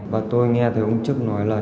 và tôi nghe thấy ông trước nói là